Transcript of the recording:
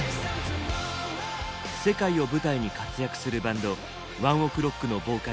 世界を舞台に活躍するバンドＯＮＥＯＫＲＯＣＫのボーカルＴａｋａ。